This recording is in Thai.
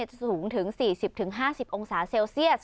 สูงถึง๔๐๕๐องศาเซลเซียส